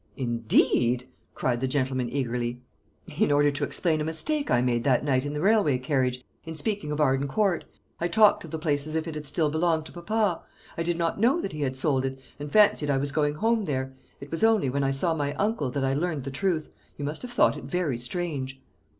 "Indeed!" cried the gentleman eagerly. "In order to explain a mistake I made that night in the railway carriage, in speaking of Arden Court. I talked of the place as if it had still belonged to papa; I did not know that he had sold it, and fancied I was going home there. It was only when I saw my uncle that I learnt the truth. You must have thought it very strange."